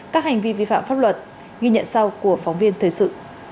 các hành vi vi phạm pháp luật ghi nhận sau của phóng viên thời sự